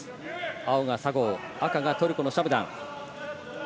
青が佐合、赤がトルコのシャムダン。